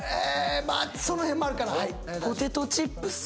まあその辺もあるかな？